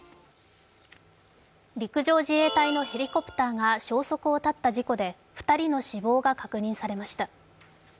陸上自衛隊のヘリコプターが消息を絶った事故で２人の死亡が確認されました。